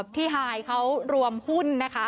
พี่ฮายเขารวมหุ้นนะคะ